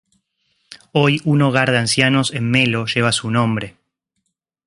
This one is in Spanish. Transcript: Hoy, un hogar de ancianos en Melo lleva su nombre.